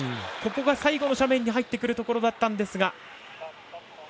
ここが最後の斜面に入ってくるところだったんですが。